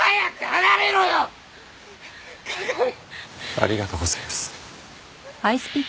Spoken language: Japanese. ありがとうございます。